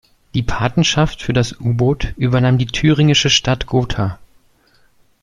Die Patenschaft für das U-Boot übernahm die thüringische Stadt Gotha.